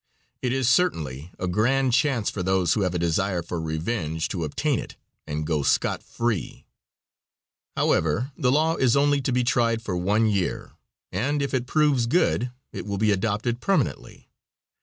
It is, certainly, a grand chance for those who have a desire for revenge to obtain it and go scot free. However, the law is only to be tried for one year, and if it proves good it will be adopted permanently.